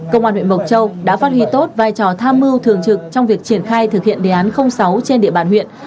công an huyện mộc châu đã phát huy tốt vai trò tham mưu thường trực trong việc triển khai thực hiện đề án sáu trên địa bàn huyện